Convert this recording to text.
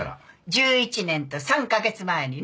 １１年と３カ月前にね。